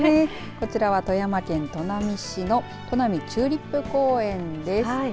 こちらは富山県砺波市の砺波チューリップ公園です。